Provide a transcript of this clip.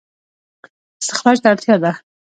استخراج ته اړتیا ده